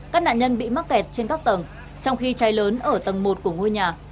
các nạn nhân bị mắc kẹt trên các tầng trong khi cháy lớn ở tầng một của ngôi nhà